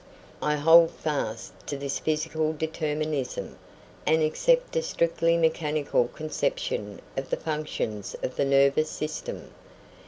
I hold fast to this physical determinism, and accept a strictly mechanical conception of the functions of the nervous system.